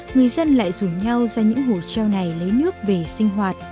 người dân lại rủ nhau ra những hồ treo này lấy nước về sinh hoạt